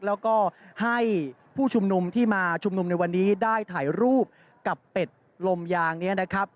แล้วก็ให้ผู้ชุมนุมที่มาชุมนุมในวันนี้ได้ถ่ายรูปกับเป็ดลมยางนี้นะครับ